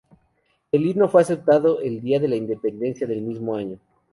El himno fue aceptado el día de la independencia del mismo año.